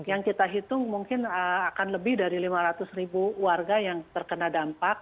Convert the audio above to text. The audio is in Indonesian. yang kita hitung mungkin akan lebih dari lima ratus ribu warga yang terkena dampak